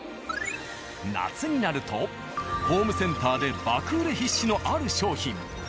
夏になるとホームセンターで爆売れ必至のある商品。